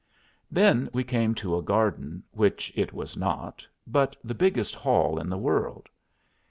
Then we came to a garden, which it was not, but the biggest hall in the world.